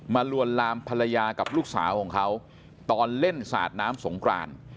ลวนลามภรรยากับลูกสาวของเขาตอนเล่นสาดน้ำสงกราน